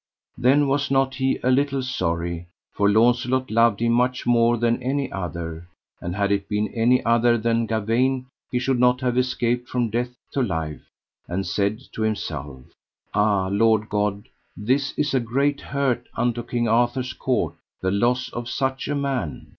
Then was not he a little sorry, for Launcelot loved him much more than any other, and had it been any other than Gawaine he should not have escaped from death to life; and said to himself: Ah Lord God, this is a great hurt unto King Arthur's court, the loss of such a man.